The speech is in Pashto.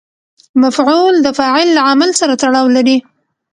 مفعول د فاعل له عمل سره تړاو لري.